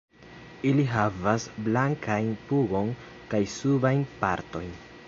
Ili havas blankajn pugon kaj subajn partojn.